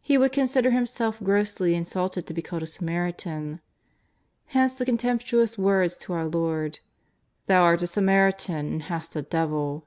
He would consider himself grossly in sulted to be called a Samaritan. Hence the contemptu ous words to our Lord ;" Thou art a Samaritan and hast a devil.''